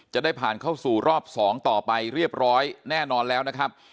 จะได้ผ่านเข้าสู่รอบ๒ต่อไปเรียบร้อยแน่นอนแล้วนะครับ